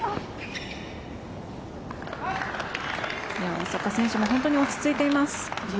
大坂選手も本当に落ち着いています。